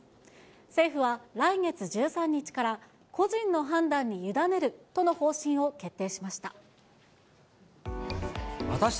政府は来月１３日から、個人の判断に委ねるとの方針を決定しました。